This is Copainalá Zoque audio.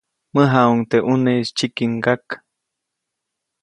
Mäjaʼajuʼuŋ teʼ ʼuneʼis tsyikingyak.